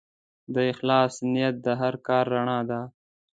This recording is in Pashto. د اخلاص نیت د هر کار رڼا ده.